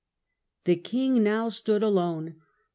The king now stood alone.